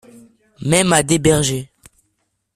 Même à des bergers.